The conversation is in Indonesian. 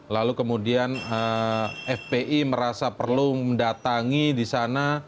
lalu kemudian fpi merasa perlu mendatangi di sana